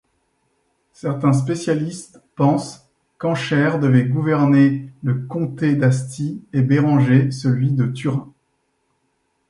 Certains spécialistes pense qu'Anschaire devait gouverner le comté d'Asti et Bérenger celui de Turin.